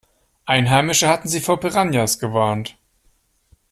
Einheimische hatten sie vor Piranhas gewarnt.